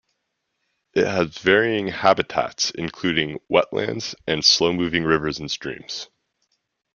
It has varying habitats including wetlands and slow-moving rivers and streams.